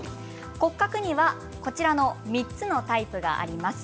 骨格にはこちらの３つのタイプがあります。